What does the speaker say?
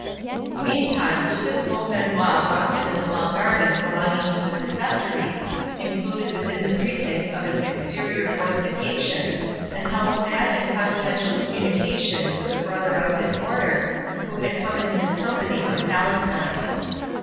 Meantime Lucas Beaumanoir walked in a small garden belonging to the Preceptory, included within the precincts of its exterior fortification, and held sad and confidential communication with a brother of his Order, who had come in his company from Palestine.